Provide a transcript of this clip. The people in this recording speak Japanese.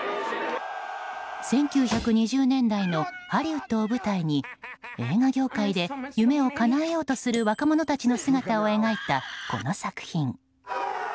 １９２０年代のハリウッドを舞台に映画業界で夢をかなえようとする若者たちの姿を描いたこの作品。